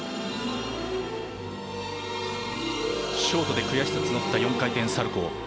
ショートで悔しさ募った４回転サルコー。